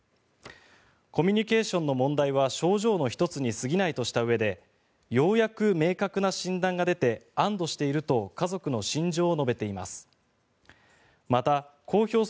コミュニケーションの問題は症状の１つに過ぎないとしたうえでようやく明確な診断が出て安堵していると家族の心情を述べています。